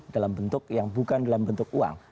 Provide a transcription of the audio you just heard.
dalam bentuk yang bukan dalam bentuk uang